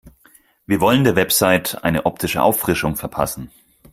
Wir wollen der Website eine optische Auffrischung verpassen.